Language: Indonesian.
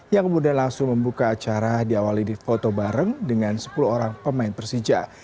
yang kemudian langsung membuka acara diawali di foto bareng dengan sepuluh orang pemain persija